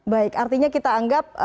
baik artinya kita anggap